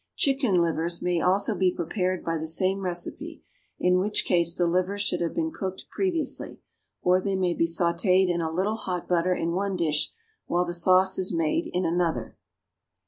Chickens' livers may also be prepared by the same recipe, in which case the livers should have been cooked previously. Or they may be sautéd in a little hot butter in one dish, while the sauce is made in another.